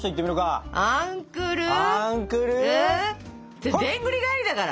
それでんぐり返りだから。